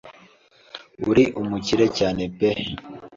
uri umukire cyane pee